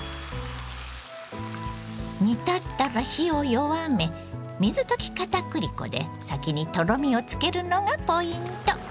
煮立ったら火を弱め水溶きかたくり粉で先にとろみをつけるのがポイント。